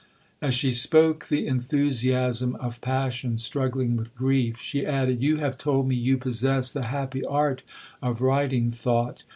'As she spoke the enthusiasm of passion struggling with grief, she added, 'You have told me you possess the happy art of writing thought.